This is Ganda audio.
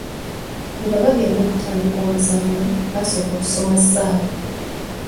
Nga bagenda okutandika omuzannyo, basooka kusoma ssaala.